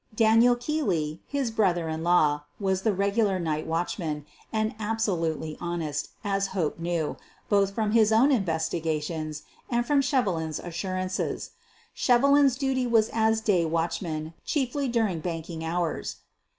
Daniel Keely, his brother in law, was the regular night watchman, and abso lutely honest, as Hope knew, both from his own investigations and from Shevelin *s assurances. Shevelin 's duty was as day watchman, chiefly dur ing banking hours.